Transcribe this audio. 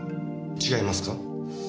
違いますか？